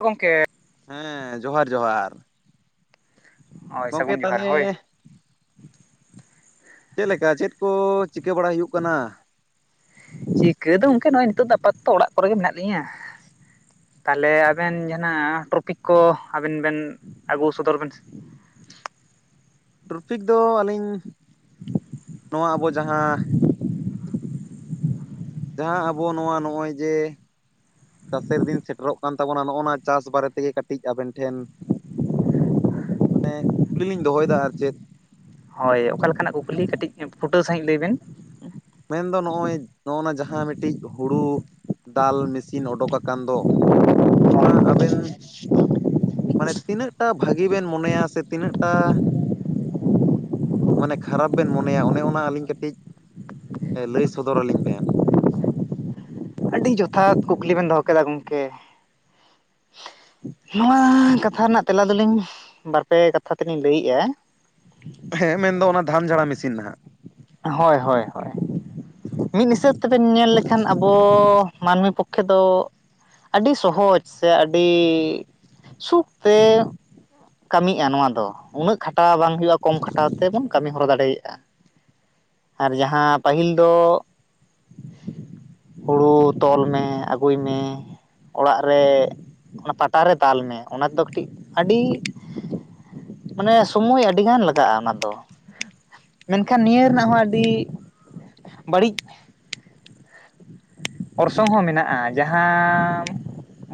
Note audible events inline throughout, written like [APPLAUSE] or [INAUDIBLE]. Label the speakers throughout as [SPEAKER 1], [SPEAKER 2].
[SPEAKER 1] ᱜᱚᱢᱠᱮ
[SPEAKER 2] ᱦᱮᱸ ᱡᱚᱦᱟᱨ ᱡᱚᱦᱟᱨ
[SPEAKER 1] ᱦᱳᱭ
[SPEAKER 2] ᱜᱚᱝᱠᱮ
[SPEAKER 1] ᱥᱟᱹᱜᱩᱱ ᱡᱚᱦᱟᱨ
[SPEAKER 2] ᱛᱟᱦᱚᱞᱮ
[SPEAKER 1] ᱦᱳᱭ
[SPEAKER 2] ᱪᱮᱫ ᱞᱮᱠᱟ ᱪᱮᱫ ᱠᱚ ᱪᱤᱠᱟᱹ ᱵᱟᱲᱟ ᱦᱩᱭᱩᱜ ᱠᱟᱱᱟ?
[SPEAKER 1] ᱪᱤᱠᱟᱹ ᱫᱚ ᱜᱚᱢᱠᱮ ᱱᱚᱜᱼᱚᱭ ᱱᱤᱛᱚᱜ ᱫᱚ ᱟᱯᱟᱛᱛᱚ ᱚᱲᱟᱜ ᱠᱚᱨᱮᱜ ᱜᱮ ᱢᱮᱱᱟᱜ ᱞᱤᱧᱟᱹ ᱛᱟᱦᱚᱞᱮ ᱟᱵᱮᱱ ᱡᱟᱦᱱᱟᱜ ᱴᱚᱯᱤᱠ ᱠᱚ ᱟᱵᱤᱱ ᱵᱮ ᱟᱹᱜᱩ ᱥᱚᱫᱚᱨ ᱵᱮᱱ
[SPEAKER 2] ᱴᱨᱟᱯᱷᱤᱠ ᱫᱚ ᱟᱹᱞᱤᱧ ᱱᱚᱣᱟ ᱟᱵᱚ ᱡᱟᱦᱟᱸ ᱡᱟᱦᱟᱸ ᱟᱵᱚ ᱱᱚᱣᱟ ᱱᱚᱜᱼᱚᱭ ᱡᱮ ᱪᱟᱥᱮᱨ ᱫᱤᱱ ᱥᱮᱴᱮᱨᱚᱜ ᱠᱟᱱ ᱛᱟᱵᱚᱱᱟ ᱱᱚᱜᱼᱚ ᱱᱟ ᱪᱟᱥ ᱵᱟᱨᱮ ᱛᱮᱜᱮ ᱠᱟᱹᱴᱤᱡ ᱟᱵᱮᱱ ᱴᱷᱮᱱ ᱢᱟᱱᱮ ᱠᱩᱠᱞᱤ ᱞᱤᱧ ᱫᱚᱦᱚᱭᱮᱫᱟ ᱟᱨ ᱪᱮᱫ
[SPEAKER 1] ᱦᱳᱭ ᱚᱠᱟ ᱞᱮᱠᱟᱱᱟᱜ ᱠᱩᱠᱞᱤ ᱠᱟᱹᱴᱤᱡ ᱯᱷᱩᱴᱟᱹᱣ ᱥᱺᱦᱤᱡ ᱞᱟᱹᱭ ᱵᱮᱱ?
[SPEAKER 2] ᱢᱮᱱᱫᱚ ᱱᱚᱜᱼᱚᱭ ᱱᱚᱜᱼᱚ ᱱᱟ ᱡᱟᱦᱟᱸ ᱢᱤᱫᱴᱤᱡ ᱦᱩᱲᱩ ᱫᱟᱞ ᱢᱮᱹᱥᱤᱱ ᱩᱰᱩᱠ ᱟᱠᱟᱱ ᱫᱚ ᱚᱱᱟ ᱟᱵᱮᱱ ᱢᱟᱱᱮ ᱛᱤᱱᱟᱹᱜᱴᱟ ᱵᱷᱟᱹᱜᱤ ᱵᱮᱱ ᱢᱚᱱᱮᱭᱟ ᱥᱮ ᱛᱤᱱᱟᱹᱜᱴᱟ ᱢᱟᱱᱮ ᱠᱷᱟᱨᱟᱯ ᱵᱮᱱ ᱢᱚᱱᱮᱭᱟ ᱚᱱᱮ ᱚᱱᱟ ᱟᱹᱞᱤᱧ ᱠᱟᱹᱴᱤᱡ ᱞᱟᱹᱭ ᱥᱚᱫᱚᱨ ᱟᱹᱞᱤᱧ ᱵᱮᱱ
[SPEAKER 1] ᱟᱹᱰᱤ ᱡᱚᱛᱷᱟᱛ ᱠᱩᱠᱞᱤ ᱵᱮᱱ ᱫᱚᱦᱚ ᱠᱮᱫᱟ ᱜᱚᱢᱠᱮ
[SPEAKER 2] [INAUDIBLE]
[SPEAKER 1] ᱱᱚᱣᱟ ᱠᱟᱛᱷᱟ ᱨᱮᱱᱟᱜ ᱛᱮᱞᱟ ᱫᱚᱞᱤᱧ ᱵᱟᱨᱯᱮ ᱠᱟᱛᱷᱟ ᱛᱮᱞᱤᱧ ᱞᱟᱹᱭᱮᱫᱼᱟ
[SPEAKER 2] ᱦᱮᱸ ᱢᱮᱱᱫᱚ ᱚᱱᱟ ᱫᱷᱟᱱ ᱡᱷᱟᱲᱟ ᱢᱮᱥᱤᱱ ᱦᱟᱸᱜ᱾
[SPEAKER 1] ᱦᱳᱭ ᱦᱳᱭ ᱦᱳᱭ ᱢᱤᱫ ᱦᱤᱥᱟᱹᱵ ᱛᱮᱵᱮᱱ ᱧᱮᱞ ᱞᱮᱠᱷᱟᱱ ᱟᱵᱚ ᱢᱟᱹᱱᱢᱤ [UNINTELLIGIBLE] ᱯᱚᱠᱠᱷᱮᱫᱚ ᱟᱹᱰᱤ ᱥᱚᱦᱚᱡᱽ ᱥᱮ ᱟᱹᱰᱤ ᱥᱩᱠᱛᱮ ᱠᱟᱹᱢᱤᱜᱼᱟ ᱱᱚᱣᱟ ᱫᱚ ᱩᱱᱟᱹᱜ ᱠᱷᱟᱴᱟᱣ ᱵᱟᱝ ᱦᱩᱭᱩᱜᱼᱟ ᱠᱚᱢ ᱠᱷᱟᱴᱟᱣ ᱛᱮᱵᱚᱱ ᱠᱟᱹᱢᱤ ᱦᱚᱨᱟ ᱫᱟᱲᱮᱭᱟᱜᱼᱟ ᱟᱨ ᱡᱟᱦᱟᱸ ᱯᱟᱹᱦᱤᱞ ᱫᱚ ᱦᱩᱲᱩ ᱛᱚᱞ ᱢᱮ ᱟᱹᱜᱩᱭ ᱢᱮ᱾ ᱚᱲᱟᱜ ᱨᱮ ᱚᱱᱟ ᱯᱟᱴᱟᱨᱮ ᱫᱟᱞᱢᱮ ᱚᱱᱟ ᱛᱮᱫᱚ ᱠᱟᱹᱴᱤᱡ ᱟᱹᱰᱤ ᱢᱟᱱᱮ ᱥᱚᱢᱚᱭ ᱟᱹᱰᱤᱜᱟᱱ ᱞᱟᱜᱟᱜᱼᱟ ᱚᱱᱟ ᱫᱚ ᱢᱮᱱᱠᱷᱟᱱ ᱱᱤᱭᱟᱹ ᱨᱮᱱᱟᱜ ᱦᱚᱸ ᱟᱹᱰᱤ ᱵᱟᱹᱲᱤᱡ ᱚᱨᱥᱚᱝ ᱦᱚᱸ ᱢᱮᱱᱟᱜᱼᱟ ᱡᱟᱦᱟᱸ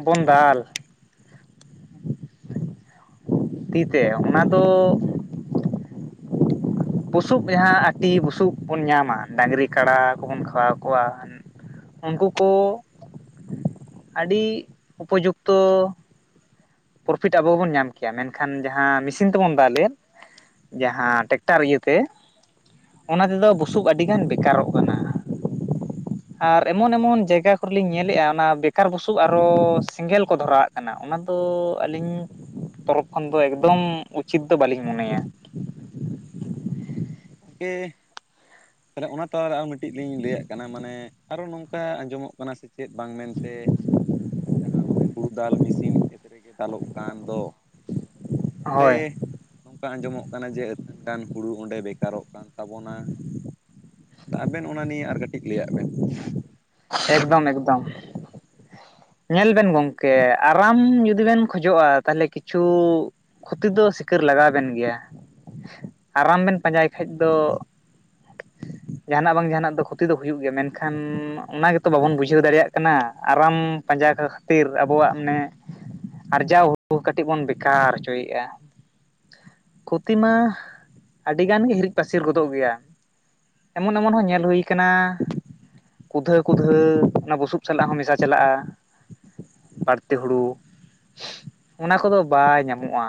[SPEAKER 1] ᱵᱚᱱ ᱫᱟᱞ
[SPEAKER 2] [INAUDIBLE]
[SPEAKER 1] ᱛᱤᱛᱮ ᱚᱱᱟ ᱫᱚ
[SPEAKER 2] ᱦᱩᱸ
[SPEAKER 1] ᱵᱩᱥᱩᱵ ᱡᱟᱦᱟᱸ ᱟᱹᱴᱤ ᱵᱩᱥᱩᱵ ᱵᱚᱱ ᱧᱟᱢᱟ ᱰᱟᱝᱨᱤ ᱠᱟᱰᱟ ᱠᱚᱵᱚᱱ ᱠᱷᱟᱣᱟᱣ ᱠᱚᱣᱟ᱾ ᱩᱱᱠᱩ ᱠᱚ ᱟᱹᱰᱤ ᱩᱯᱚᱡᱩᱠᱛᱚ ᱯᱨᱚᱯᱷᱤᱴ ᱟᱵᱚ ᱵᱚᱱ ᱧᱟᱢ ᱠᱮᱭᱟ ᱢᱮᱱᱠᱷᱟᱱ ᱡᱟᱦᱟᱸ ᱢᱮᱥᱤᱱ ᱛᱮᱵᱚᱱ ᱫᱟᱜ ᱞᱮᱫ ᱡᱟᱦᱟᱸ ᱴᱮᱠᱼᱼ ᱴᱮᱠᱴᱟᱨ ᱤᱭᱟᱹᱛᱮ ᱚᱱᱟ ᱛᱮᱫᱚ ᱵᱩᱥᱩᱵ ᱟᱹᱰᱤᱜᱟᱱ ᱵᱮᱠᱟᱨᱚᱜ ᱠᱟᱱᱟ᱾
[SPEAKER 2] [INAUDIBLE]
[SPEAKER 1] ᱟᱨ ᱮᱢᱚᱱ ᱮᱢᱚᱱ ᱡᱟᱭᱜᱟ ᱠᱚᱨᱮᱞᱤᱤᱧ ᱧᱮᱞᱮᱫᱼᱟ ᱚᱱᱟ ᱵᱮᱠᱟᱨ ᱵᱩᱥᱩᱵ ᱟᱨᱚ ᱥᱮᱸᱜᱮᱞ ᱠᱚ ᱫᱷᱚᱨᱟᱣᱟᱜ ᱠᱟᱱᱟ ᱚᱱᱟ ᱫᱚ ᱛᱚ ᱟᱹᱞᱤᱧ ᱛᱚᱨᱚ ᱠᱷᱚᱱ ᱫᱚ ᱮᱠᱫᱚᱢ ᱩᱪᱤᱛ ᱫᱚ ᱵᱟᱹᱞᱤᱧ ᱢᱚᱱᱮᱭᱟ᱾
[SPEAKER 2] ᱦᱮᱸ ᱜᱚᱢᱠᱮ ᱛᱟᱦᱚᱞᱮ ᱚᱱᱟ ᱛᱞᱟᱨᱮ ᱟᱨ ᱢᱤᱫᱴᱤᱡ ᱞᱤᱧ ᱞᱟᱹᱭᱟᱜ ᱠᱟᱱᱟ ᱢᱟᱱᱮ ᱟᱨᱚ ᱱᱚᱝᱠᱟ ᱟᱸᱡᱚᱢᱚᱜ ᱠᱟᱱᱟ ᱥᱮ ᱪᱮᱫ ᱵᱟᱝ ᱢᱮᱱᱛᱮ ᱡᱟᱦᱟᱸ ᱚᱱᱮ ᱦᱳᱲᱳ ᱫᱟᱞ ᱢᱮᱥᱤᱱ ᱠᱷᱮᱛ ᱨᱮᱜᱮ ᱫᱟᱞᱚᱜ ᱠᱟᱱ ᱫᱚ ᱚᱸᱰᱮ
[SPEAKER 1] ᱦᱳᱭ
[SPEAKER 2] ᱟᱸᱡᱚᱢᱚᱜ ᱠᱟᱱᱟ ᱡᱮ ᱟᱹᱥᱱ ᱜᱟᱱ ᱦᱩᱲᱩ ᱚᱸᱰᱮ ᱵᱮᱠᱟᱨᱚᱜ ᱠᱟᱱ ᱛᱟᱵᱚᱱᱟ᱾ ᱟᱵᱮᱱ ᱚᱱᱟ ᱱᱤᱭᱮ ᱟᱨ ᱠᱟᱹᱴᱤᱡ ᱞᱟᱹᱭᱟᱜ ᱵᱮᱱ᱾
[SPEAKER 1] ᱮᱠᱫᱚᱢ ᱮᱠᱫᱚᱢ
[SPEAKER 2] [INAUDIBLE]
[SPEAKER 1] ᱧᱮᱞ ᱵᱮᱱ ᱜᱚᱝᱠᱮ ᱟᱨᱟᱢ ᱡᱩᱫᱤ ᱵᱮᱱ ᱠᱷᱚᱡᱚᱜᱼᱟ ᱛᱟᱦᱚᱞᱮ ᱠᱤᱪᱷᱩ ᱠᱷᱚᱛᱤ ᱫᱚ ᱥᱤᱠᱟᱹᱨ ᱞᱟᱜᱟᱣ ᱵᱮᱱ ᱜᱮᱭᱟ ᱟᱨᱟᱢ ᱵᱮᱱ ᱯᱟᱸᱡᱟᱭ ᱠᱷᱟᱡ ᱫᱚ ᱡᱟᱦᱟᱱᱟᱜ ᱵᱟᱝ ᱡᱟᱦᱟᱱᱟᱜ ᱫᱚ ᱠᱷᱚᱛᱤ ᱫᱚ ᱦᱩᱭᱩᱜ ᱜᱮᱭᱟ ᱢᱮᱱᱠᱷᱟᱱ ᱚᱱᱟ ᱜᱮᱛᱚ ᱵᱟᱵᱚᱱ ᱵᱩᱡᱷᱟᱹᱣ ᱫᱟᱲᱮᱭᱟᱜ ᱠᱟᱱᱟ ᱟᱨᱟᱢ ᱯᱟᱸᱡᱟ ᱠᱷᱟᱹᱛᱤᱨ ᱟᱵᱚᱣᱟᱜ ᱢᱟᱱᱮ ᱟᱨᱡᱟᱣ ᱦᱩᱲᱩ ᱠᱟᱹᱴᱤᱡ ᱵᱚᱱ ᱵᱮᱠᱟᱨ ᱦᱚᱪᱚᱭᱮᱫᱼᱟ᱾ ᱠᱷᱚᱛᱤ ᱢᱟ ᱟᱹᱰᱤ ᱜᱟᱱ ᱜᱮ ᱦᱤᱨᱤᱡ ᱯᱟᱹᱥᱤᱨ ᱜᱚᱫᱚᱜ ᱜᱮᱭᱟ᱾ ᱮᱢᱚᱱ ᱮᱢᱚᱱ ᱦᱚᱸ ᱧᱮᱞ ᱦᱩᱭ ᱠᱟᱱᱟ ᱠᱩᱫᱷᱟᱹ ᱠᱩᱫᱷᱟᱹ ᱚᱱᱟ ᱵᱩᱥᱩᱵ ᱥᱟᱞᱟᱜ ᱦᱚᱸ ᱢᱮᱥᱟ ᱪᱟᱞᱟᱜᱼᱟ᱾ ᱵᱟᱹᱲᱛᱤ ᱦᱩᱲᱩ ᱚᱱᱟ ᱠᱚᱫᱚ ᱵᱟᱭ ᱧᱟᱢᱚᱜᱼᱟ᱾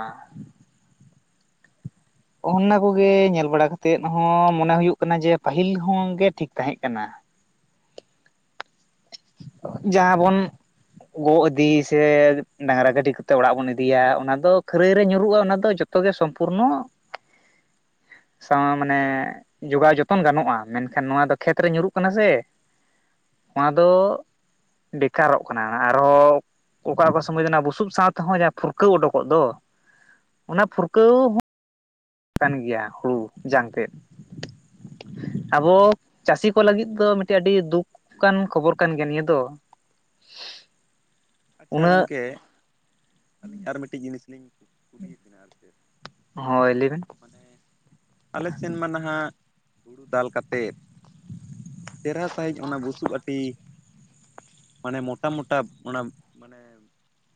[SPEAKER 1] ᱚᱱᱟ ᱠᱚᱜᱮ ᱧᱮᱞ ᱵᱟᱲᱟ ᱠᱟᱛᱮᱜ ᱦᱚᱸ ᱢᱚᱱᱮ ᱦᱩᱭᱩᱜ ᱠᱟᱱᱟ ᱡᱮ ᱯᱟᱹᱦᱤᱞ ᱦᱚᱸᱜᱮ ᱴᱷᱤᱠ ᱛᱟᱦᱮᱸ ᱠᱟᱱᱟ᱾ ᱡᱟᱦᱟᱸ ᱵᱚᱱ ᱜᱚᱜ ᱤᱫᱤ ᱥᱮ ᱰᱟᱝᱨᱟ ᱜᱟᱹᱰᱤ ᱠᱟᱛᱮ ᱚᱲᱟᱜ ᱵᱚᱱ ᱤᱫᱤᱭᱟ ᱚᱱᱟ ᱫᱚ ᱠᱷᱟᱹᱨᱟᱹᱭ ᱨᱮ ᱧᱩᱨᱩᱜᱼᱟ᱾ ᱚᱱᱟ ᱫᱚ ᱡᱚᱛᱚ ᱡᱚᱛᱚ ᱜᱮ ᱥᱚᱢᱯᱩᱨᱱᱚ
[SPEAKER 2] [INAUDIBLE]
[SPEAKER 1] ᱥᱟᱶ ᱢᱟᱱᱮ ᱡᱚᱜᱟᱣ ᱡᱚᱛᱚᱱ ᱜᱟᱱᱚᱜᱼᱟ ᱢᱮᱱᱠᱷᱟᱱ ᱱᱚᱣᱟ ᱫᱚ ᱠᱷᱮᱛᱨᱮ ᱧᱩᱨᱩᱜ ᱠᱟᱱᱟ ᱥᱮ
[SPEAKER 2] [INAUDIBLE]
[SPEAKER 1] ᱚᱱᱟ ᱫᱚ ᱵᱮᱠᱟᱨᱚᱜ ᱠᱟᱱᱟ᱾ ᱟᱨᱦᱚᱸ ᱚᱠᱟ ᱚᱠᱟ ᱥᱚᱢᱚᱭ ᱫᱚ ᱚᱱᱟ ᱵᱩᱥᱩᱵ ᱥᱟᱶᱛᱮᱦᱚᱸ ᱡᱟᱦᱟᱸ ᱯᱷᱩᱨᱠᱟᱹᱣ ᱩᱰᱩᱠᱚᱜ ᱫᱚ ᱚᱱᱟ ᱯᱷᱩᱨᱠᱟᱹᱣ ᱦᱚᱸ ᱠᱟᱱ ᱜᱮᱭᱟ ᱦᱩᱲᱩ ᱡᱟᱝᱛᱮᱫ ᱟᱵᱚ ᱪᱟᱹᱥᱤ ᱠᱚ ᱞᱟᱹᱜᱤᱫ ᱫᱚ ᱢᱤᱫᱴᱮᱱ ᱟᱹᱰᱤ ᱫᱩᱠ ᱠᱟᱱᱟᱱ ᱠᱷᱚᱵᱚᱨ ᱠᱟᱱ ᱜᱮᱭᱟ ᱱᱤᱭᱟᱹ ᱫᱚ
[SPEAKER 2] [INAUDIBLE] ᱟᱪᱪᱷᱟ
[SPEAKER 1] ᱩᱱᱟᱹᱜ
[SPEAKER 2] ᱜᱚᱢᱠᱮ ᱟᱹᱞᱤᱧ ᱟᱨ ᱢᱤᱫᱴᱤᱡ ᱡᱤᱱᱤᱥ ᱞᱤᱧ ᱠᱩᱞᱤᱭᱮᱫ ᱵᱮᱤᱱᱟ ᱟᱨ ᱪᱮᱫ
[SPEAKER 1] ᱦᱳᱭ ᱞᱟᱹᱭᱵᱤᱱ
[SPEAKER 2] ᱢᱟᱱᱮ ᱟᱞᱮ ᱥᱮᱱ ᱢᱟ ᱱᱟᱦᱟᱜ ᱦᱩᱲᱩ ᱫᱟᱞ ᱠᱟᱛᱮᱫ ᱪᱮᱨᱦᱟ ᱥᱟᱺᱦᱤᱡ ᱚᱱᱟ ᱵᱩᱥᱩᱵ ᱟᱹᱴᱤ ᱢᱟᱱᱮ ᱢᱚᱴᱟ - ᱢᱚᱴᱟ ᱚᱱᱟ ᱢᱟᱱᱮ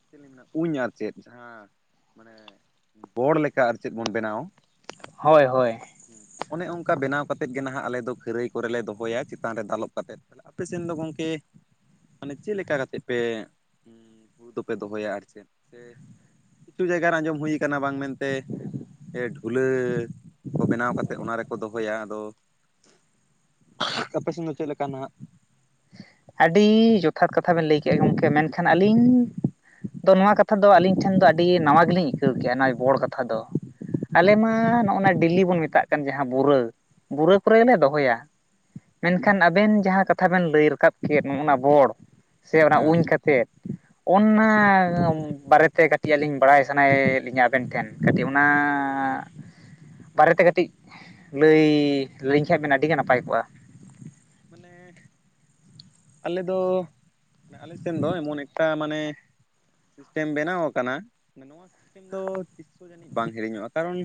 [SPEAKER 2] ᱪᱮᱫ ᱞᱧ ᱢᱮᱱᱟ ᱩᱧ ᱟᱨ ᱪᱮᱫ ᱡᱟᱦᱟᱸ ᱢᱟᱱᱮ ᱵᱚᱲ ᱞᱮᱠᱟ ᱟᱨ ᱪᱮᱫ ᱵᱚᱱ ᱵᱮᱱᱟᱣᱟ
[SPEAKER 1] ᱦᱳᱭ ᱦᱳᱭ
[SPEAKER 2] ᱚᱱᱮ ᱚᱱᱠᱟ ᱵᱮᱱᱟᱣ ᱠᱟᱛᱮᱫ ᱜᱮ ᱱᱟᱦᱟᱜ ᱟᱞᱮ ᱫᱚ ᱠᱷᱟᱹᱨᱟᱹᱭ ᱠᱚᱨᱮ ᱞᱮ ᱫᱚᱦᱚᱭᱟ ᱪᱮᱛᱟᱱ ᱨᱮ ᱫᱟᱞᱚᱵ ᱠᱟ ᱠᱟᱛᱮᱫ᱾ ᱟᱯᱮ ᱥᱮᱱ ᱫᱚ ᱜᱚᱢᱠᱮ? ᱢᱟᱱᱮ ᱪᱮᱫ ᱞᱮᱠᱟ ᱠᱟᱛᱮ ᱯᱮ ᱩᱸᱻ ᱦᱩᱲᱩ ᱫᱚᱯᱮ ᱫᱚᱦᱚᱭᱟ ᱟᱨ ᱪᱮᱫ ᱥᱮ ᱠᱤᱪᱷᱩ ᱡᱟᱭᱜᱟ ᱨᱮ ᱟᱸᱡᱚᱢ ᱦᱩᱭ ᱠᱟᱱᱟ ᱵᱟᱝ ᱢᱮᱱᱛᱮ ᱮᱸ ᱰᱷᱩᱞᱟᱹ ᱠᱚ ᱵᱮᱱᱟᱣ ᱠᱟᱛᱮ ᱚᱱᱟ ᱨᱮᱠᱚ ᱫᱚᱦᱚ ᱫᱚᱦᱚᱭᱟ ᱟᱫᱚ ᱟᱯᱮ ᱥᱮᱱ ᱫᱚ ᱪᱮᱫ ᱞᱮᱠᱟ ᱱᱟᱜ
[SPEAKER 1] ᱟᱹᱰᱤ ᱡᱚᱛᱷᱟᱛ ᱠᱟᱛᱷᱟ ᱵᱮᱱ ᱞᱟᱹᱭ ᱠᱮᱫ-ᱟ, ᱜᱚᱢᱠᱮ ᱢᱮᱱᱠᱷᱟᱱ ᱟᱹᱞᱤᱧ ᱟᱫᱚ ᱱᱚᱣᱟ ᱠᱟᱛᱷᱟ ᱫᱚ ᱟᱹᱞᱤᱧ ᱴᱷᱮᱱ ᱫᱚ ᱟᱹᱰᱤ ᱱᱟᱣᱟ ᱜᱮᱞᱤᱧ ᱟᱹᱭᱠᱟᱹᱣ ᱠᱮᱫ-ᱟ ᱱᱚᱶᱟ ᱵᱚᱲ ᱠᱟᱛᱷᱟ ᱫᱚ ᱟᱞᱮ ᱢᱟ ᱱᱚᱜᱼᱚᱱᱟ ᱰᱮᱞᱤ ᱵᱚᱱ ᱢᱮᱛᱟᱜ ᱠᱟᱱ ᱡᱟᱦᱟᱸ ᱵᱩᱨᱟᱹ ᱵᱩᱨᱟᱹ ᱠᱚᱨᱮ ᱜᱮᱞᱮ ᱫᱚᱦᱚᱭᱟ ᱢᱮᱱᱠᱷᱟᱱ ᱟᱵᱮᱱ ᱡᱟᱦᱟᱸ ᱠᱟᱛᱷᱟ ᱵᱮᱱ ᱞᱟᱹᱭ ᱨᱟᱠᱟᱵ ᱠᱮᱫ ᱱᱚᱜᱼ ᱚᱱᱟ ᱵᱚᱲ ᱥᱮ ᱚᱱᱟ
[SPEAKER 2] ᱦᱮᱸ
[SPEAKER 1] ᱩᱧ ᱠᱟᱛᱮᱫ ᱚᱱᱟ ᱟᱸᱻ ᱵᱟᱨᱮᱛᱮ ᱠᱟᱹᱴᱤᱡ ᱟᱹᱞᱤᱧ ᱵᱟᱲᱟᱭ ᱥᱟᱱᱟᱭᱮᱫ ᱞᱤᱧᱟᱹ ᱟᱵᱮᱱ ᱴᱷᱮᱱ ᱠᱟᱹᱴᱤᱡ ᱚᱱᱟ ᱟᱸᱻᱟᱸᱻᱟᱸᱻ ᱵᱟᱨᱮᱛᱮ ᱠᱟᱹᱴᱤᱡ ᱞᱟᱹᱭᱻᱻ ᱞᱟᱹᱭ ᱠᱷᱟᱱᱡ ᱵᱮᱱ ᱟᱹᱰᱤᱜᱮ ᱱᱟᱯᱟᱭ ᱠᱚᱜᱼᱟ?
[SPEAKER 2] ᱢᱟᱱᱮ ᱟᱞᱮ ᱫᱚ ᱟᱞᱮ ᱥᱮᱱ ᱫᱚ ᱮᱢᱚᱱ ᱮᱠᱴᱟ ᱢᱟᱱᱮ [INAUDIBLE] ᱥᱤᱥᱴᱮᱢ ᱵᱮᱱᱟᱣ ᱟᱠᱟᱱᱟ ᱱᱚᱣᱟ ᱥᱤᱥᱴᱮᱢ ᱫᱚ ᱛᱤᱥ ᱦᱚᱸ ᱡᱟᱹᱱᱤᱡ ᱵᱟᱝ ᱦᱤᱲᱤᱧᱚᱜᱼᱟ᱾ ᱠᱟᱨᱚᱱ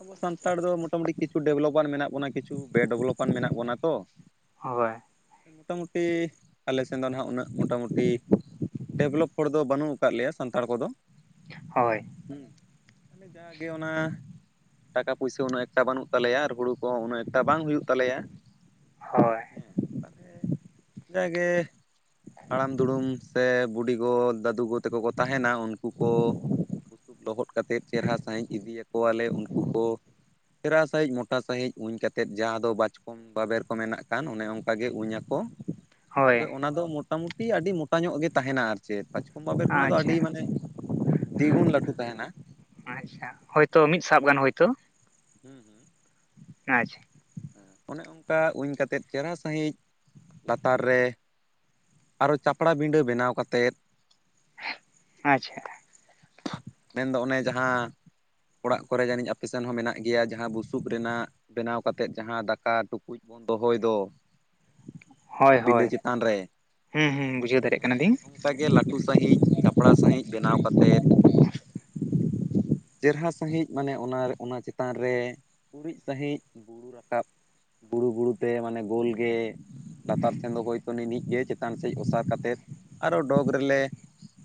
[SPEAKER 2] ᱟᱵᱚ ᱥᱟᱱᱛᱟᱲ ᱫᱚ ᱢᱚᱴᱟᱢᱩᱴᱤ ᱠᱤᱪᱷᱩ ᱰᱮᱵᱷᱞᱚᱵᱟᱱ ᱢᱮᱱᱟᱜ ᱵᱚᱱᱟ ᱠᱤᱪᱷᱩ ᱵᱮᱼ ᱰᱮᱵᱷᱞᱚᱵᱟᱱ ᱢᱮᱱᱟᱜ ᱵᱚᱱᱟ ᱛᱚ᱾
[SPEAKER 1] ᱦᱳᱭ
[SPEAKER 2] ᱢᱳᱴᱟᱢᱩᱴᱤ ᱟᱞᱮ ᱥᱮᱱ ᱫᱚ ᱱᱟ ᱦᱟᱸᱜ ᱩᱱᱟᱹᱜ ᱢᱳᱴᱟᱢᱩᱴᱤ ᱰᱮᱵᱷᱞᱚᱯ ᱦᱚᱲ ᱫᱚ ᱵᱟᱹᱱᱩᱜ ᱟᱠᱟᱫ ᱞᱮᱭᱟ ᱥᱟᱱᱛᱟᱲ ᱠᱚᱫᱚ᱾
[SPEAKER 1] ᱦᱳᱭ
[SPEAKER 2] ᱢᱟᱱᱮ ᱡᱟᱜᱮ ᱚᱱᱟ ᱴᱟᱠᱟ ᱯᱚᱭᱥᱟᱹ ᱩᱱᱟᱹᱜ ᱮᱠᱴᱟ ᱵᱟᱹᱱᱩᱜ ᱛᱟᱞᱮᱭᱟ ᱟᱨ ᱦᱩᱲᱩ ᱠᱚ ᱦᱚᱸ ᱩᱱᱟᱹᱜ ᱮᱠᱴᱟ ᱵᱟᱝ ᱦᱩᱭᱩᱜ ᱛᱟᱞᱮᱭᱟ
[SPEAKER 1] ᱦᱳᱭ
[SPEAKER 2] ᱦᱮᱸ ᱛᱟᱦᱚᱞᱮ ᱡᱟᱜᱮ ᱦᱟᱲᱟᱢ ᱫᱩᱲᱩᱢ ᱥᱮ ᱵᱩᱰᱤᱜᱚ ᱫᱟᱹᱫᱩ ᱜᱚ ᱛᱮᱠᱚ ᱠᱚ ᱛᱟᱦᱮᱱᱟ᱾ ᱛᱟᱦᱮᱱᱟ ᱩᱱᱠᱩ ᱠᱚ ᱵᱩᱥᱩᱵ ᱞᱚᱦᱚᱫ ᱠᱟᱛᱮᱫ ᱪᱮᱨᱦᱟ ᱥᱟᱺᱦᱤᱡ ᱤᱫᱤᱤᱭᱟᱠᱚᱣᱟᱞᱮ ᱩᱱᱠᱩ ᱠᱚ ᱪᱮᱨᱦᱟ ᱥᱟᱺᱦᱤᱡ ᱢᱚᱴᱟ ᱥᱟᱺᱦᱤᱡ ᱩᱧ ᱠᱟᱛᱮᱫ ᱡᱟᱦᱟᱸ ᱫᱚ ᱵᱟᱪᱠᱚᱢ ᱵᱟᱵᱮᱨ ᱠᱚ ᱢᱮᱱᱟᱜ ᱠᱟᱱ ᱚᱱᱮ ᱚᱱᱠᱟᱟᱜ ᱜᱮ ᱩᱧ ᱟᱠᱚ
[SPEAKER 1] ᱦᱳᱭ
[SPEAKER 2] ᱛᱚᱵᱮ ᱚᱱᱟ ᱫᱚ ᱢᱚᱴᱟᱢᱩᱴᱤ ᱟᱹᱰᱤ ᱢᱚᱴᱟ ᱧᱚᱜ ᱜᱮ ᱛᱟᱦᱮᱱᱟ ᱟᱨᱠᱤ ᱪᱮ ᱵᱟᱸᱪᱠᱚᱢ ᱵᱟᱵᱮᱨ ᱠᱷᱚᱱᱟᱜ ᱫᱚ ᱟᱹᱰᱤ
[SPEAKER 1] ᱟᱪᱪᱷᱟ
[SPEAKER 2] ᱢᱟᱱᱮ ᱫᱤᱜᱩᱱ ᱞᱟᱹᱴᱩ ᱛᱟᱦᱮᱱᱟ
[SPEAKER 1] ᱟᱪᱪᱷᱟ ᱦᱳᱭᱛᱚ ᱢᱤᱫ ᱥᱟᱵ ᱜᱟᱱ ᱦᱳᱭᱛᱚ
[SPEAKER 2] ᱦᱩᱸ ᱦᱩᱸ
[SPEAKER 1] ᱟᱪᱪᱷᱟ
[SPEAKER 2] ᱚᱱᱮ ᱚᱱᱠᱟ ᱩᱧ ᱠᱟᱛᱮᱫ ᱪᱮᱨᱦᱟ ᱥᱟᱺᱦᱤᱡ ᱞᱟᱛᱟᱨ ᱨᱮ ᱟᱨᱚ ᱪᱟᱯᱲᱟ ᱵᱤᱸᱰᱟᱹ ᱵᱮᱱᱟᱣ ᱠᱟᱛᱮᱫ
[SPEAKER 1] ᱟᱪᱪᱷᱟ
[SPEAKER 2] ᱢᱮᱱᱫᱚ ᱚᱱᱮ ᱡᱟᱦᱟᱸ ᱚᱲᱟᱜ ᱠᱚᱨᱮ ᱡᱟᱹᱱᱤᱡ ᱟᱯᱮ ᱥᱮᱫ ᱦᱚᱸ ᱢᱮᱱᱟᱜ ᱜᱮᱭᱟ ᱡᱟᱦᱟᱸ ᱵᱩᱥᱩᱵ ᱨᱮᱱᱟᱜ ᱵᱮᱱᱟᱣ ᱠᱟᱛᱮᱫ ᱡᱟᱦᱟᱸ ᱫᱟᱠᱟ ᱴᱩᱠᱩᱡ ᱵᱚᱱ ᱫᱚᱦᱚᱭ ᱫᱚ
[SPEAKER 1] ᱦᱳᱭ
[SPEAKER 2] ᱵᱤᱸᱰᱟᱹ
[SPEAKER 1] ᱦᱳᱭ
[SPEAKER 2] ᱪᱮᱛᱟᱱ ᱨᱮ
[SPEAKER 1] ᱦᱩᱸ ᱦᱩᱸ ᱵᱩᱡᱷᱟᱹᱣ ᱫᱟᱲᱮᱭᱟᱜ
[SPEAKER 2] ᱦᱮᱸ ᱚᱱᱮ
[SPEAKER 1] ᱠᱟᱱᱟᱞᱤᱧ
[SPEAKER 2] ᱚᱱᱠᱟᱜᱮ ᱞᱟᱹᱴᱩ ᱥᱟᱺᱦᱤᱡ ᱪᱟᱯᱲᱟ ᱥᱟᱺᱦᱤᱡ ᱵᱮᱱᱟᱣ ᱠᱟᱛᱮᱫ ᱪᱮᱨᱦᱟ ᱥᱟᱺᱦᱤᱡ ᱢᱟᱱᱮ ᱚᱱᱟ ᱚᱱᱟ ᱪᱮᱛᱟᱱ ᱨᱮ ᱩᱨᱤᱡ ᱥᱟᱺᱦᱤᱡ ᱵᱩᱬᱩ ᱨᱟᱠᱟᱵ ᱵᱩᱬᱩ ᱵᱩᱬᱩ ᱛᱮ ᱢᱟᱱᱮ ᱜᱳᱞ ᱜᱮ ᱞᱟᱛᱟᱨ ᱥᱮᱱ ᱫᱚ ᱦᱚᱭᱛᱚ ᱱᱤᱱᱦᱤᱡ ᱜᱮ ᱪᱮᱛᱟᱱ ᱥᱮᱫ ᱚᱥᱟᱨ ᱠᱟᱛᱮᱫ ᱟᱨᱚ ᱰᱚᱜᱽ ᱨᱮᱞᱮ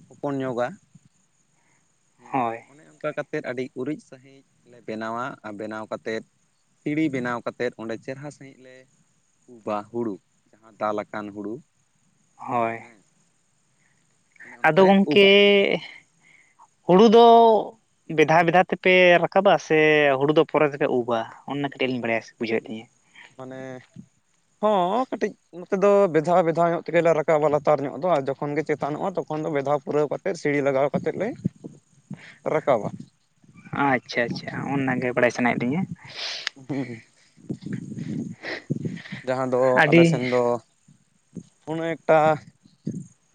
[SPEAKER 2] ᱦᱚᱯᱚᱱ ᱧᱚᱜᱟ ᱦᱮᱸ
[SPEAKER 1] ᱦᱳᱭ
[SPEAKER 2] ᱚᱱᱮ ᱚᱱᱠᱟᱛᱮᱫ [UNINTELLIGIBLE] ᱠᱟᱛᱮᱫ [UNINTELLIGIBLE] ᱟᱹᱰᱤ ᱩᱨᱤᱡ ᱥᱟᱺᱦᱤᱡ ᱞᱮ ᱵᱮᱱᱟᱣᱟ ᱟᱨ ᱵᱮᱱᱟᱣ ᱠᱟᱛᱮᱫ ᱥᱤᱲᱤ ᱵᱮᱱᱟᱣ ᱠᱟᱛᱮᱫ ᱚᱸᱰᱮ ᱪᱮᱨᱦᱟ ᱥᱟᱺᱦᱤᱡ ᱞᱮ ᱩ ᱵᱟ ᱦᱩᱲᱩ ᱡᱟᱦᱟᱸ ᱫᱟᱞ ᱟᱠᱟᱱ ᱦᱩᱲᱩ
[SPEAKER 1] ᱦᱳᱭ
[SPEAKER 2] ᱦᱮᱸ ᱚᱱᱮ
[SPEAKER 1] ᱟᱫᱚ
[SPEAKER 2] ᱚᱱᱟᱞᱮ
[SPEAKER 1] ᱜᱚᱢᱠᱮ
[SPEAKER 2] ᱩᱵᱟ
[SPEAKER 1] ᱦᱩᱲᱩ ᱫᱚ ᱵᱮᱫᱷᱟ ᱵᱮᱫᱷᱟ ᱛᱮᱯᱮ ᱨᱟᱠᱟᱵᱟ ᱥᱮ ᱦᱩᱲᱩ ᱫᱚ ᱯᱚᱨᱮ ᱛᱮᱯᱮ ᱩᱵᱟ ᱚᱱᱟ ᱫᱷᱟᱹᱨᱤᱡ ᱞᱤᱧ ᱵᱟᱲᱟᱭ ᱵᱩᱡᱷᱟᱹᱣᱮᱫ ᱞᱤᱧᱟ
[SPEAKER 2] ᱢᱟᱱᱮ ᱦᱚᱸ ᱠᱟᱹᱴᱤᱡ ᱱᱚᱛᱮ ᱫᱚ ᱵᱮᱫᱷᱟᱣ ᱵᱷᱮᱫᱷᱟᱣ ᱧᱚᱜ ᱛᱮᱜᱮᱞᱮ ᱨᱟᱠᱟᱵᱟ ᱞᱟᱛᱟᱨ ᱧᱚᱜ ᱫᱚ ᱟᱨ ᱡᱚᱠᱷᱚᱱ ᱜᱮ ᱪᱮᱛᱟᱱᱚᱜᱼᱟ ᱛᱚᱠᱷᱚᱱ ᱫᱚ ᱵᱮᱫᱷᱟᱣ ᱯᱩᱨᱟᱹᱣ ᱠᱟᱛᱮᱫ ᱥᱤᱲᱤ ᱞᱟᱜᱟᱣ ᱠᱟᱛᱮᱫ ᱞᱮ ᱨᱟᱠᱟᱵᱟ
[SPEAKER 1] ᱟᱪᱪᱷᱟ ᱟᱪᱪᱷᱟ ᱚᱱᱟᱜ ᱜᱮ ᱵᱟᱲᱟᱭ ᱥᱟᱱᱟᱭᱮᱫ ᱞᱤᱧᱟᱹ
[SPEAKER 2] ᱩ ᱡᱟᱦᱟᱸ ᱫᱚ ᱟᱞᱮ
[SPEAKER 1] ᱟᱹᱰᱤ
[SPEAKER 2] ᱥᱮᱱ ᱫᱚ ᱚᱱᱟᱚᱱᱮᱠᱴᱟ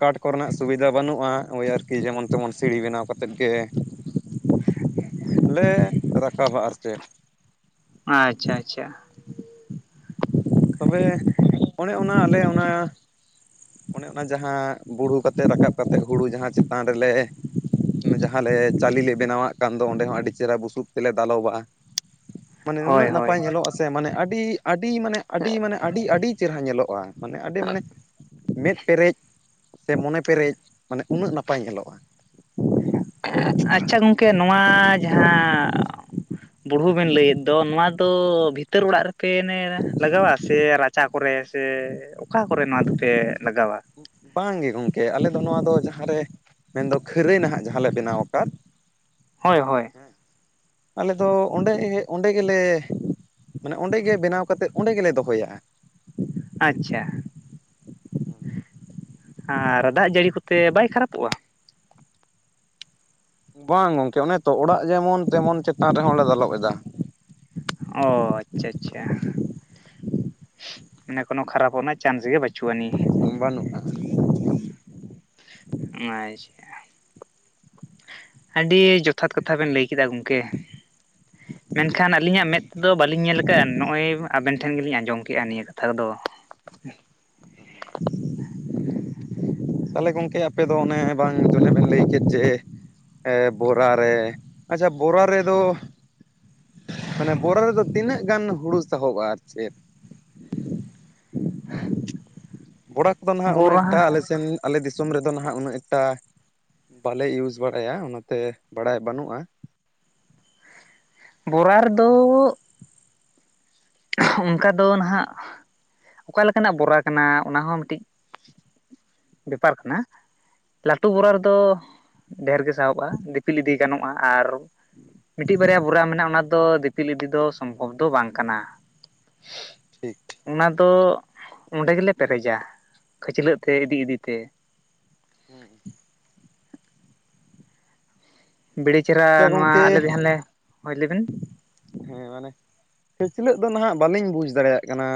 [SPEAKER 2] ᱠᱟᱴ ᱠᱚᱨᱮᱱᱟᱜ ᱥᱩᱵᱤᱫᱷᱟ ᱵᱟᱹᱱᱩᱜᱼᱟ ᱳᱭ ᱟᱨᱠᱤ ᱡᱮᱢᱚᱱ ᱛᱮᱢᱚᱱ ᱥᱤᱲᱤ ᱵᱮᱱᱟᱣ ᱠᱟᱛᱮᱫ ᱜᱮ ᱞᱮ ᱨᱟᱠᱟᱵᱟ ᱟᱨ ᱪᱮᱫ
[SPEAKER 1] ᱟᱪᱪᱷᱟ ᱟᱪᱪᱷᱟ
[SPEAKER 2] ᱛᱚᱵᱮ ᱚᱱᱮ ᱚᱱᱟ ᱟᱞᱮ ᱚᱱᱟ ᱚᱱᱮ ᱚᱱᱟ ᱡᱟᱦᱟᱸ ᱵᱩᱲᱩ ᱠᱟᱛᱮ ᱨᱟᱠᱟᱵ ᱠᱟᱛᱮ ᱦᱩᱲᱩ ᱡᱟᱦᱟᱸ ᱪᱮᱛᱟᱱ ᱨᱮᱞᱮ ᱡᱟᱦᱟᱸ ᱟᱞᱮ ᱪᱟᱣᱞᱤᱞᱮ ᱵᱮᱱᱟᱣᱟᱜ ᱠᱟᱱ ᱫᱚ ᱚᱸᱰᱮ ᱦᱚᱸ ᱟᱹᱰᱤ ᱪᱮᱦᱨᱟ ᱵᱩᱥᱩᱵ ᱛᱮᱞᱮ ᱫᱟᱞᱚᱵᱼᱟ ᱢᱟᱱᱮ
[SPEAKER 1] ᱦᱳᱭ
[SPEAKER 2] ᱱᱩᱱᱟᱹᱜ
[SPEAKER 1] ᱦᱳᱭ
[SPEAKER 2] ᱱᱟᱯᱟᱭ ᱧᱮᱞᱚᱜᱼᱟᱥᱮ ᱢᱟᱱᱮ ᱟᱹᱰᱤ ᱟᱹᱰᱤ ᱢᱟᱱᱮ ᱟᱹᱰᱤ ᱢᱟᱱᱮ ᱟᱹᱰᱤ ᱟᱹᱰᱤ ᱪᱮᱦᱨᱟ ᱧᱮᱞᱚᱜᱼᱟ ᱢᱟᱱᱮ ᱟᱹᱰᱤ ᱢᱟᱱᱮ ᱢᱮᱫ ᱯᱮᱨᱮᱡ ᱥᱮ ᱢᱚᱱᱮ ᱯᱮᱨᱮᱡ ᱢᱟᱱᱮ ᱩᱱᱟᱹᱜ ᱱᱟᱯᱟᱭ ᱧᱮᱞᱚᱜᱼᱟ
[SPEAKER 1] ᱟᱪᱪᱷᱟ ᱜᱚᱝᱠᱮ ᱱᱚᱣᱟ ᱡᱟᱦᱟᱸ ᱵᱩᱨᱩ ᱵᱮᱱ ᱞᱟᱹᱭᱮᱫ ᱫᱚ ᱱᱚᱣᱟ ᱫᱚ ᱵᱷᱤᱛᱟᱹᱨ ᱚᱲᱟᱜ ᱨᱮ ᱯᱮ ᱮ ᱞᱟᱜᱟᱣᱟ ᱥᱮ ᱨᱟᱪᱟ ᱠᱚᱨᱮ ᱥᱮ ᱚᱠᱟ ᱠᱚᱨᱮ ᱱᱚᱣᱟ ᱫᱚᱯᱮ ᱞᱟᱜᱟᱣᱟ
[SPEAKER 2] ᱵᱟᱝᱜᱮ ᱜᱚᱢᱠᱮ ᱟᱞᱮ ᱫᱚ ᱱᱚᱣᱟ ᱫᱚ ᱡᱟᱦᱟᱸᱨᱮ ᱢᱮᱱᱫᱚ ᱠᱷᱟᱹᱨᱟᱹᱭ ᱱᱟᱦᱟᱜ ᱡᱟᱦᱟᱸᱞᱮ ᱵᱮᱱᱟᱣ ᱟᱠᱟᱫ
[SPEAKER 1] ᱦᱳᱭ ᱦᱳᱭ
[SPEAKER 2] ᱦᱮᱸ ᱟᱞᱮ ᱫᱚ ᱚᱸᱰᱮ ᱚᱸᱰᱮ ᱜᱮᱞᱮ ᱢᱟᱱᱮ ᱚᱸᱰᱮᱜᱮ ᱵᱮᱱᱟᱣ ᱠᱟᱛᱮᱫ ᱚᱸᱰᱮ ᱜᱮᱞᱮ ᱫᱚᱦᱚᱭᱟᱼᱟ ᱦᱮᱸ
[SPEAKER 1] ᱟᱪᱪᱷᱟ ᱟᱨ ᱫᱟᱜ ᱡᱟᱹᱲᱤ ᱠᱚᱛᱮ ᱵᱟᱭ ᱠᱷᱟᱨᱟᱯᱚᱜᱼᱟ
[SPEAKER 2] ᱵᱟᱝ ᱜᱚᱝᱠᱮ ᱚᱱᱮ ᱛᱚ ᱚᱲᱟᱜ ᱡᱮᱢᱚᱱ ᱛᱮᱢᱚᱱ ᱪᱮᱛᱟᱱ ᱨᱮᱦᱚᱸ ᱞᱮ ᱫᱟᱞᱚᱵ ᱮᱫᱟ
[SPEAKER 1] ᱚᱱᱮ ᱠᱳᱱᱳ ᱠᱷᱟᱨᱟᱯᱚᱜ ᱨᱮᱱᱟᱜ ᱪᱟᱱᱥ ᱜᱮ ᱵᱟ
[SPEAKER 2] ᱵᱟᱹᱱᱩᱜᱼᱟ
[SPEAKER 1] ᱟᱪᱪᱷᱟ ᱟᱹᱰᱤ ᱡᱚᱛᱷᱟᱛ ᱠᱟᱛᱷᱟ ᱵᱮᱱ ᱞᱟᱹᱭ ᱠᱮᱫᱟ ᱜᱚᱝᱠᱮ ᱢᱮᱱᱠᱷᱟᱱ ᱟᱹᱞᱤᱧᱟᱜ ᱢᱮᱫ ᱛᱮᱫᱚ ᱵᱟᱟᱹᱞᱤᱧ ᱧᱮᱞ ᱟᱠᱟᱫᱼᱟ ᱱᱚᱜᱼᱚᱭ ᱟᱵᱮᱱ ᱴᱷᱮᱱ ᱜᱮᱞᱤᱧ ᱟᱸᱡᱚᱢ ᱠᱮᱜᱼᱟ ᱱᱤᱭᱟᱹ ᱠᱟᱛᱷᱟ ᱠᱚ ᱫᱚ
[SPEAKER 2] [INAUDIBLE] ᱦ ᱛᱟᱦᱚᱞᱮ ᱜᱚᱢᱠᱮ ᱟᱯᱮ ᱫᱚ ᱚᱱᱮ ᱵᱟᱝ ᱡᱚᱱᱮ ᱵᱮᱱ ᱞᱟᱹᱭ ᱠᱮᱫ ᱡᱮ ᱦᱮᱸ ᱵᱚᱨᱟᱨᱮ ᱟᱪᱪᱷᱟ ᱵᱚᱨᱟ ᱨᱮᱫᱚ ᱢᱟᱱᱮ ᱵᱚᱨᱟ ᱨᱮᱫᱚ ᱛᱤᱱᱟᱹᱜ ᱜᱟᱱ ᱦᱩᱲᱩ ᱥᱟᱦᱚᱜᱚᱜᱼᱟ ᱟᱨ ᱪᱮᱫ?
[SPEAKER 1] [INAUDIBLE]
[SPEAKER 2] ᱵᱚᱲᱟ ᱠᱚᱫᱚ ᱱᱟᱦᱟᱜ ᱩᱱᱟᱹᱜ ᱮᱠᱴᱟ
[SPEAKER 1] ᱵᱚᱨᱟ
[SPEAKER 2] ᱟᱞᱮ ᱥᱮᱱ ᱟᱞᱮ ᱫᱤᱥᱚᱢ ᱨᱮᱫᱚ ᱱᱟᱦᱟᱜ ᱩᱱᱟᱹᱜ ᱮᱠᱴᱟ ᱵᱟᱞᱮ ᱭᱩᱡᱽ ᱵᱟᱲᱟᱭᱟ ᱚᱱᱟᱛᱮ ᱵᱟᱲᱟᱭ ᱵᱟᱹᱱᱩᱜᱼᱟ᱾
[SPEAKER 1] ᱵᱚᱨᱟ ᱨᱮᱫᱚ ᱳᱱᱠᱟ ᱫᱚ ᱱᱟᱦᱟᱜ ᱚᱠᱟ ᱞᱮᱠᱟᱱᱟᱜ ᱵᱚᱨᱟ ᱠᱟᱱᱟ ᱚᱱᱟᱦᱚᱸ ᱢᱤᱫᱴᱤᱡ ᱵᱮᱯᱟᱨ ᱠᱟᱱᱟ ᱞᱟᱹᱴᱩ ᱵᱚᱨᱟ
[SPEAKER 2] ᱦᱮᱸ
[SPEAKER 1] ᱨᱮᱫᱚ ᱰᱷᱮᱨ ᱜᱮ ᱥᱟᱦᱚᱵᱚᱜᱼᱟ ᱫᱤᱯᱤᱞ ᱤᱫᱤ ᱜᱟᱱᱚᱜᱼᱟ ᱟᱨ ᱢᱤᱫᱴᱤᱡ ᱵᱟᱨᱭᱟ ᱵᱚᱨᱟ ᱢᱮᱱᱟᱜᱼᱟ ᱚᱱᱟ ᱫᱚ ᱫᱤᱯᱤᱞ ᱤᱫᱤ ᱫᱚ ᱥᱚᱢᱵᱷᱚᱵᱽ ᱫᱚ ᱵᱟᱝ ᱠᱟᱱᱟ
[SPEAKER 2] ᱴᱷᱤᱠ
[SPEAKER 1] ᱚᱱᱟ ᱫᱚ ᱚᱱᱰᱮ ᱜᱮᱞᱮ ᱯᱮᱨᱮᱡᱟ ᱠᱷᱟᱹᱪᱞᱟᱹᱜ ᱛᱮ ᱤᱫᱤ ᱤᱫᱤᱛᱮ
[SPEAKER 2] [INAUDIBLE] ᱦᱮᱸ
[SPEAKER 1] ᱵᱤᱲᱤ
[SPEAKER 2] ᱪᱣ
[SPEAKER 1] ᱪᱮᱦᱨᱟ
[SPEAKER 2] ᱜᱚᱝᱠᱮ
[SPEAKER 1] ᱱᱚᱣᱟ ᱟᱞᱮ ᱡᱟᱦᱟᱸ ᱞᱮ ᱦᱳᱭ ᱞᱟᱹᱭ ᱵᱤᱱ
[SPEAKER 2] ᱦᱮᱸ ᱢᱟᱱᱮ ᱠᱷᱮᱞᱪᱤᱞᱟᱹᱜ ᱫᱚ ᱱᱟᱦᱟᱜ ᱵᱟᱹᱞᱤᱧ ᱵᱩᱡᱷ ᱫᱟᱲᱮᱭᱟᱜ ᱠᱟᱱᱟ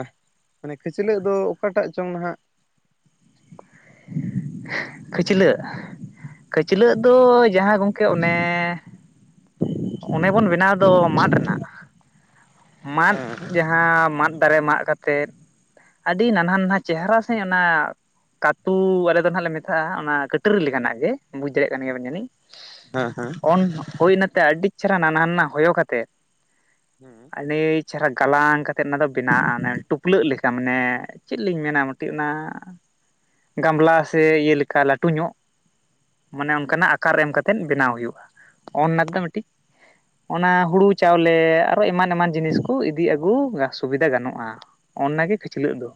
[SPEAKER 2] ᱢᱟᱱᱮ ᱠᱷᱟᱹᱪᱞᱟᱹᱜ ᱫᱚ ᱚᱠᱟᱴᱟᱜ ᱪᱚᱝ ᱱᱟᱦᱟᱜ? [INAUDIBLE]
[SPEAKER 1] ᱠᱷᱟᱹᱪᱞᱟᱹᱜ ᱠᱷᱟᱹᱪᱞᱟᱹᱜ
[SPEAKER 2] ᱦᱮᱸ
[SPEAKER 1] ᱫᱚ ᱡᱟᱦᱟᱸ ᱜᱚᱝᱠᱮ ᱚᱱᱮ ᱚᱱᱮ ᱵᱚᱱ ᱵᱮᱱᱟᱣ ᱫᱚ ᱢᱟᱰ ᱨᱮᱱᱟᱜ ᱢᱟᱫ
[SPEAKER 2] ᱦᱮᱸ
[SPEAKER 1] ᱡᱟᱦᱟᱸ ᱢᱟᱫ ᱫᱟᱨᱮ ᱢᱟᱜ ᱠᱟᱛᱮᱫ ᱟᱹᱰᱤ ᱱᱟᱱᱦᱟ ᱱᱟᱱᱦᱟ ᱪᱮᱦᱨᱟ ᱥᱟᱺᱦᱤᱸᱡ ᱟᱱᱟᱜ ᱠᱟᱹᱛᱩ ᱟᱞᱮ ᱫᱚ ᱱᱷᱟᱜ ᱞᱮ ᱢᱮᱛᱟᱜᱼᱟ ᱚᱱᱟ ᱠᱟᱹᱴᱟᱹᱨᱤ ᱞᱮᱠᱟᱱᱟᱜ ᱜᱮ ᱵᱩᱡᱽ ᱫᱟᱲᱮᱭᱟᱜ ᱠᱟᱱ ᱜᱮᱭᱟᱵᱤᱱ ᱡᱟᱹᱱᱤᱡ᱾
[SPEAKER 2] ᱦᱮᱸ
[SPEAKER 1] ᱚᱱ ᱦᱩᱭᱱᱟᱛᱮ ᱟᱹᱰᱤ ᱪᱮᱦᱨᱟ ᱱᱟᱱᱟ ᱱᱟᱱᱟ ᱦᱚᱭᱚ ᱠᱟᱛᱮ
[SPEAKER 2] ᱦᱮᱸ
[SPEAKER 1] ᱟᱹᱰᱤ ᱪᱮᱦᱨᱟ ᱜᱟᱞᱟᱝ ᱠᱟᱛᱮ ᱚᱱᱟ ᱫᱚ ᱵᱮᱱᱟᱜᱼᱟ ᱚᱱᱮ ᱴᱩᱯᱞᱟᱹᱜ ᱞᱮᱠᱟ ᱢᱟᱱᱮ ᱪᱮᱜ ᱞᱤᱧ ᱢᱮᱱᱟ ᱢᱤᱫᱴᱤᱡ ᱚᱱᱟ ᱜᱟᱢᱞᱟ ᱥᱮ ᱤᱭᱟᱹ ᱞᱮᱠᱟ ᱞᱟᱹᱴᱩ ᱧᱚᱜ ᱢᱟᱱᱮ
[SPEAKER 2] ᱦᱮᱸ
[SPEAKER 1] ᱚᱱᱠᱟᱱᱟᱜ ᱟᱠᱟᱨ ᱮᱢ ᱠᱟᱛᱮ ᱛᱮᱱ ᱵᱮᱱᱟᱣ ᱦᱩᱭᱩᱜᱼᱟ ᱚᱱᱱᱟ ᱫᱚ ᱢᱤᱫᱴᱤᱡ ᱚᱱᱟ ᱦᱩᱲᱩ ᱪᱟᱣᱞᱮ ᱟᱨᱚ ᱮᱢᱟᱱ ᱮᱢᱟᱱ ᱡᱤᱱᱤᱥ ᱠᱚ ᱤᱫᱤ ᱟᱹᱜᱩ ᱥᱩᱵᱤᱫᱷᱟ ᱜᱟᱱᱚᱜᱼᱟ ᱚᱱᱟ ᱜᱮ ᱠᱷᱟᱹᱪᱞᱟᱹᱜ ᱫᱚ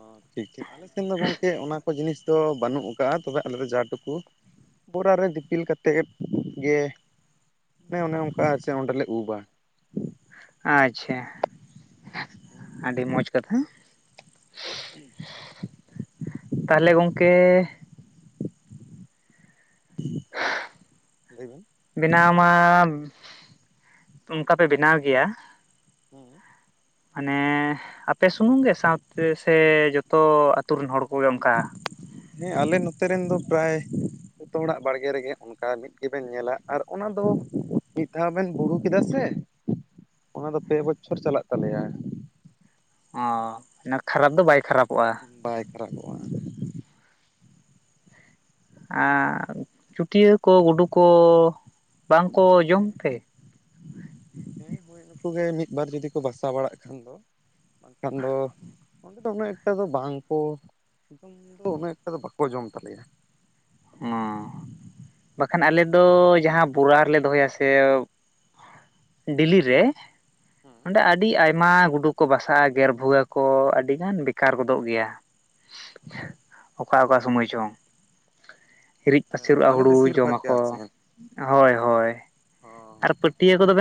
[SPEAKER 2] ᱦᱟᱺ ᱴᱷᱤᱠ ᱴᱷᱤᱠ ᱟᱞᱮ ᱥᱮᱱ ᱫᱚ ᱜᱚᱝᱠᱮ ᱚᱱᱟ ᱠᱚ ᱡᱤᱱᱤᱥ ᱫᱚ ᱵᱟᱹᱱᱩᱜ ᱠᱟᱜᱼᱟ ᱛᱚᱵᱮ ᱟᱞᱮ ᱫᱚ ᱡᱟᱦᱟᱸ ᱴᱩᱠᱩ ᱵᱚᱨᱟ ᱨᱮ ᱫᱤᱯᱤᱞ ᱠᱟᱛᱮᱫ ᱜᱮ ᱚᱱᱮ ᱚᱱᱮ ᱚᱱᱠᱟ ᱪ ᱚᱸᱰᱮᱞᱮ ᱩᱵᱟ
[SPEAKER 1] ᱟᱪᱪᱷᱟ ᱟᱹᱰᱤ ᱢᱚᱸᱡᱽ ᱠᱟᱛᱷᱟ
[SPEAKER 2] ᱻ [INAUDIBLE]
[SPEAKER 1] ᱛᱟᱦᱞᱮ ᱜᱚᱝᱠᱮ
[SPEAKER 2] ᱞᱟᱹᱭ ᱵᱮᱱ
[SPEAKER 1] ᱵᱮᱱᱟᱣ ᱢᱟᱢ ᱳᱱᱠᱟ ᱯᱮ ᱵᱮᱱᱟᱣ ᱜᱮᱭᱟ
[SPEAKER 2] ᱦᱩᱸ
[SPEAKER 1] ᱦᱟᱱᱮ ᱟᱯᱮ ᱥᱩᱢᱩᱝ ᱜᱮ ᱥᱟᱶᱛᱮ ᱥᱮ ᱡᱚᱛᱚ ᱟᱛᱩᱨ ᱨᱮᱱ ᱦᱚᱲ ᱠᱚ
[SPEAKER 2] ᱦᱮᱸ ᱟᱞᱮ ᱱᱚᱛᱮ ᱨᱮᱱ ᱫᱚ ᱯᱨᱟᱭ ᱡᱚᱛᱚ ᱦᱚᱲᱟᱜ ᱵᱟᱲᱜᱮ ᱨᱮᱜᱮ ᱳᱱᱠᱟ ᱢᱤᱫ ᱜᱮᱵᱮᱱ ᱧᱮᱞᱟ ᱟᱨ ᱚᱱᱟ ᱫᱚ ᱢᱤᱫ ᱫᱷᱟᱣ ᱵᱮᱱ ᱵᱩᱲᱩ ᱠᱮᱫᱟ ᱥᱮ ᱚᱱᱟ ᱫᱚ ᱯᱮ ᱵᱚᱪᱷᱚᱨ ᱪᱟᱞᱟᱜ ᱛᱟᱞᱮᱭᱟ
[SPEAKER 1] ᱟᱺ ᱠᱷᱟᱨᱟᱯ ᱫᱚ ᱵᱟᱭ ᱠᱷᱟᱨᱟᱯ
[SPEAKER 2] ᱵᱟᱭ ᱠᱷᱟᱨᱟᱵᱚᱜᱼᱟ
[SPEAKER 1] ᱟᱸᱨ ᱪᱩᱴᱤᱭᱟᱹ ᱠᱚ ᱜᱩᱰᱩ ᱠᱚ ᱵᱟᱝᱠᱚ ᱡᱚᱢ
[SPEAKER 2] ᱦᱮᱸ
[SPEAKER 1] ᱛᱮ?
[SPEAKER 2] ᱦᱮᱸ ᱦᱳᱭ ᱱᱩᱠᱩᱩᱜᱮ ᱢᱤᱫ ᱵᱟᱨ ᱡᱩᱫᱤ ᱠᱚ ᱵᱟᱥᱟ ᱵᱟᱲᱟᱜ ᱠᱷᱟᱱ ᱫᱚ ᱵᱟᱝᱠᱷᱟᱱ ᱫᱚ ᱚᱸᱰᱮ ᱫᱚ ᱩᱱᱟᱹᱜ ᱮᱠᱴᱟ ᱫᱚ ᱵᱟᱝ ᱠᱚ ᱫᱚ ᱩᱱᱟᱹᱜ ᱮᱠᱴᱟ ᱫᱚ ᱵᱟᱠᱚ ᱡᱚᱢ ᱛᱟᱞᱮᱭᱟ᱾
[SPEAKER 1] ᱦᱚᱸ ᱵᱟᱠᱷᱟᱱ ᱟᱞᱮ ᱫᱚ ᱡᱟᱦᱟᱸ ᱵᱚᱨᱟ ᱨᱮᱞᱮ ᱫᱚᱦᱚᱭᱟ ᱥᱮ ᱰᱤᱞᱞᱤ ᱨᱮ ᱚᱸᱰᱮ
[SPEAKER 2] ᱦᱮᱸ
[SPEAKER 1] ᱟᱹᱰᱤ ᱟᱭᱢᱟ ᱟᱭᱢᱟ ᱜᱩᱰᱩ ᱠᱚ ᱵᱟᱥᱟᱜᱼᱟ ᱜᱮᱨᱵᱷᱩᱣᱟᱹ ᱠᱚ ᱟᱹᱰᱤ ᱜᱟᱱ ᱵᱮᱠᱟᱨ ᱜᱚᱫᱚᱜ ᱜᱮᱭᱟ ᱚᱠᱟ ᱚᱠᱟ ᱥᱚᱢᱚᱭ ᱪᱚᱝ ᱦᱤᱨᱤᱡ
[SPEAKER 2] ᱦᱮᱸ
[SPEAKER 1] ᱯᱟᱹᱥᱤᱨᱚᱜᱼᱟ
[SPEAKER 2] ᱢᱟᱱᱮ
[SPEAKER 1] ᱦᱩᱲᱩ
[SPEAKER 2] ᱵᱮᱥᱤᱨ ᱵᱷᱟᱜᱽ ᱜᱮ
[SPEAKER 1] ᱡᱚᱢᱟᱠᱚ
[SPEAKER 2] ᱟᱨ ᱪᱮᱫ
[SPEAKER 1] ᱦᱳᱭ ᱦᱳᱭ
[SPEAKER 2] ᱚ
[SPEAKER 1] ᱟᱨ ᱯᱟᱹᱴᱤᱭᱟᱹ ᱠᱚᱫᱚ